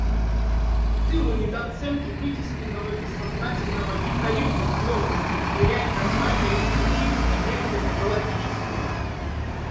Сциллу недооценки вытесненного бессознательного и Харибду склонности измерять нормальное исключительно меркой патологического.